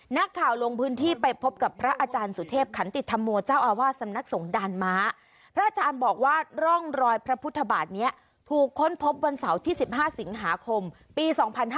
ลงพื้นที่ไปพบกับพระอาจารย์สุเทพขันติธรรมโมเจ้าอาวาสสำนักสงด่านม้าพระอาจารย์บอกว่าร่องรอยพระพุทธบาทนี้ถูกค้นพบวันเสาร์ที่๑๕สิงหาคมปี๒๕๕๙